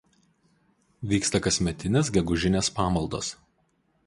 Vyksta kasmetinės gegužinės pamaldos.